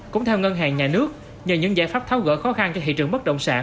cũng theo ngân hàng nhà nước nhờ những giải pháp tháo gỡ khó khăn cho thị trường bất động sản